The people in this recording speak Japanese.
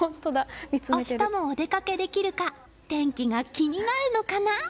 明日もお出かけできるか天気が気になるのかな？